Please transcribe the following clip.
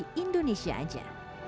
hanya ada di indonesia aja